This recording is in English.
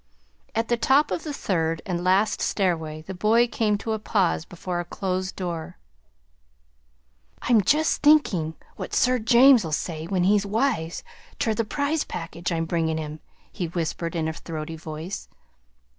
At the top of the third and last stairway the boy came to a pause before a closed door. "I'm just a thinkin' what Sir James'll say when he's wise ter the prize package I'm bringin' him," he whispered in a throaty voice.